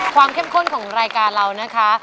เข้มข้นของรายการเรานะคะ